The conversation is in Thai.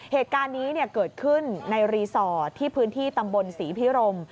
เหตุการณ์นี้เกิดขึ้นในรีสอร์ทที่พื้นที่ตำบลศรีพิรม